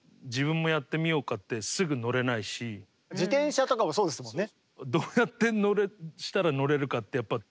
自転車とかもそうですもんね。